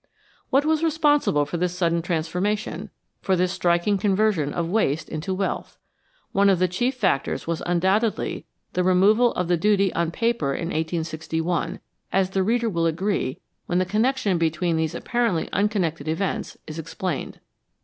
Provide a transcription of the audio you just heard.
What was responsible for this sudden transformation, for this striking conversion of waste into wealth ? One of the chief factors was undoubtedly the removal of the duty on paper in 1861, as the reader will agree when the connection between these apparently unconnected events is explained.